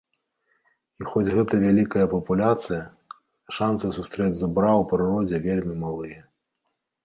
І хоць гэта вялікая папуляцыя, шанцы сустрэць зубра ў прыродзе вельмі малыя.